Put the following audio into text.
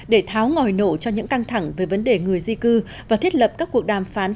để tháo ngòi nộ cho những căng thẳng về vấn đề người di cư và thiết lập các cuộc đàm phán